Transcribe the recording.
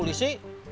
ya di sini